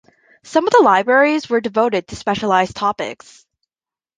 Some of the libraries were devoted to specialized topics.